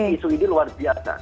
isu ini luar biasa